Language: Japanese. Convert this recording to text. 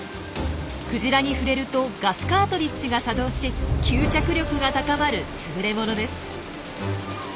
クジラに触れるとガスカートリッジが作動し吸着力が高まるすぐれものです。